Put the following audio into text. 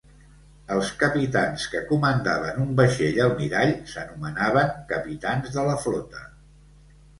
Els capitans que comandaven un vaixell almirall s'anomenaven "capitans de la flota".